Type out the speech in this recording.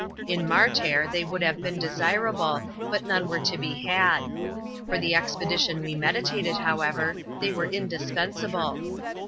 In Martair, they would have been desirable ; but none were to be had. For the expedition we meditated, however, they were indispensable.